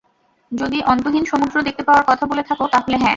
যদি অন্তহীন সমুদ্র দেখতে পাওয়ার কথা বলে থাকো, তাহলে হ্যাঁ।